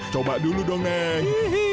coba dulu dong neng